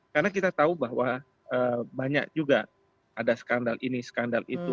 karena kita tahu bahwa banyak juga ada skandal ini skandal itu